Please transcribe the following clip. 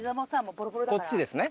こっちですね